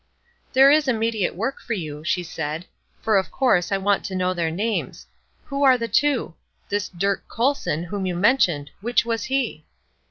"There is immediate work for you," she said, "for of course I want to know their names. Who are the two? This Dirk Colson, whom you mentioned, which was he?"